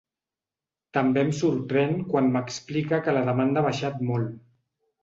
També em sorprèn quan m’explica que la demanda ha baixat molt.